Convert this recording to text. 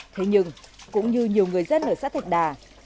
thế nhưng cũng như nhiều người dân ở xã thạch đà